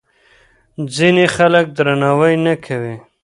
ځینې خلک درناوی نه کوي.